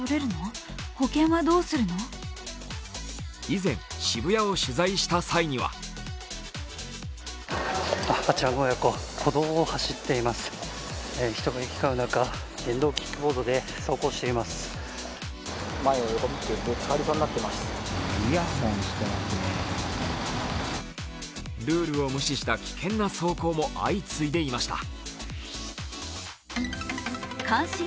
以前、渋谷を取材した際にはルールを無視した危険な走行も相次いでいました。